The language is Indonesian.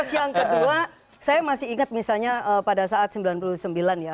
terus yang kedua saya masih ingat misalnya pada saat sembilan puluh sembilan ya